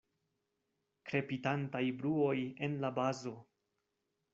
Krepitantaj bruoj en la bazo.